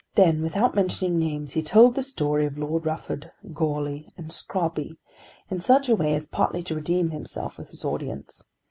Then without mentioning names he told the story of Lord Rufford, Goarly, and Scrobby, in such a way as partly to redeem himself with his audience.